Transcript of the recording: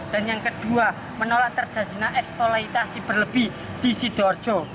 yang kedua menolak terjadinya eksploitasi berlebih di sidoarjo